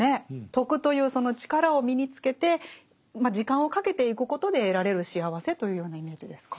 徳というその力を身につけて時間をかけていくことで得られる幸せというようなイメージですか？